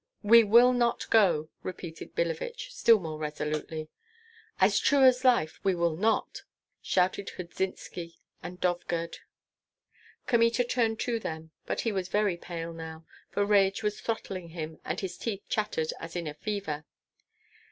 "We will not go!" repeated Billevich, still more resolutely. "As true as life we will not!" shouted Hudzynski and Dovgird. Kmita turned to them; but he was very pale now, for rage was throttling him, and his teeth chattered as in a fever.